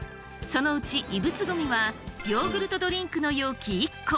そのうち異物ゴミはヨーグルトドリンクの容器１個。